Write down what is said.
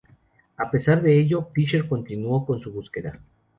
A pesar de ello, Fisher continuó con su búsqueda.